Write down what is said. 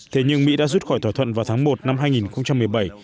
thế nhưng mỹ đã rút khỏi thỏa thuận vào tháng một năm hai nghìn một mươi bảy